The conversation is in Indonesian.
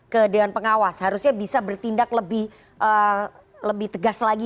kemudian pengawas harusnya bisa bertindak lebih tegas lagi